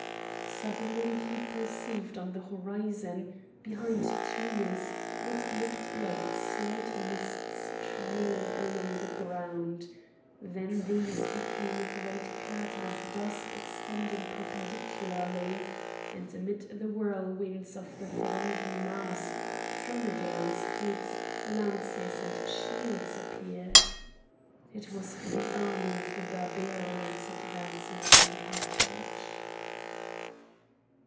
Suddenly he perceived on the horizon, behind Tunis, what looked like slight mists trailing along the ground; then these became a great curtain of dust extending perpendicularly, and, amid the whirlwinds of the thronging mass, dromedaries' heads, lances and shields appeared. It was the army of the Barbarians advancing upon Carthage.